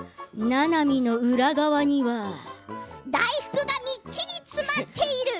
ななみの裏側には大福がみっちり詰まっている。